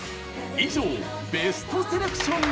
以上、ベストセレクションでした。